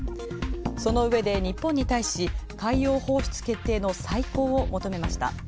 そのうえで、日本に対し、海洋放出決定の再考を求めました。